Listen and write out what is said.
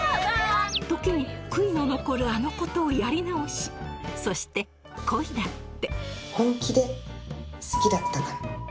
時に悔いの残るあのことをやり直しそして恋だって本気で好きだったな